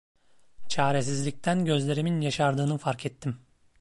Çaresizlikten gözlerimin yaşardığım fark ettim.